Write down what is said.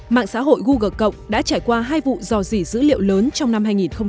mạng xã hội google cộng đã trải qua hai vụ dò dỉ dữ liệu lớn trong năm hai nghìn một mươi tám